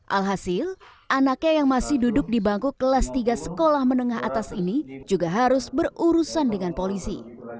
alhasil anaknya yang masih duduk di bangku kelas tiga sekolah menengah atas ini juga harus berurusan dengan polisi